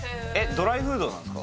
ドライフードなんすか？